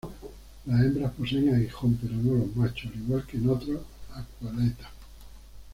Las hembras poseen aguijón, pero no los machos, al igual que en otros Aculeata.